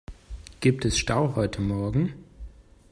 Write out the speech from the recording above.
Gibt es Stau heute morgen?